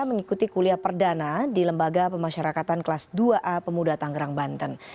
mengikuti kuliah perdana di lembaga pemasyarakatan kelas dua a pemuda tanggerang banten